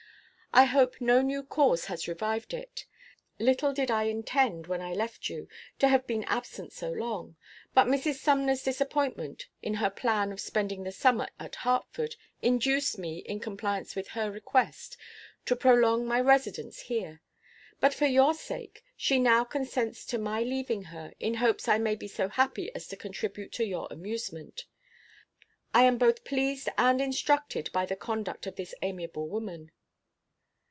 I hope no new cause has revived it. Little did I intend, when I left you, to have been absent so long; but Mrs. Summer's disappointment, in her plan of spending the summer at Hartford, induced me, in compliance with her request, to prolong my residence here. But for your sake, she now consents to my leaving her, in hopes I may be so happy as to contribute to your amusement. I am both pleased and instructed by the conduct of this amiable woman.